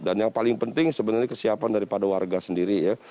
yang paling penting sebenarnya kesiapan daripada warga sendiri ya